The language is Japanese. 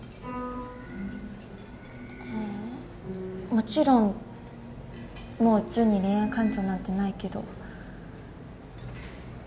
もちろんもうジュンに恋愛感情なんてないけど。